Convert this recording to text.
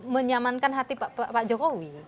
menyamankan hati pak jokowi